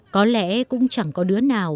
có lẽ cũng chẳng có đứa nào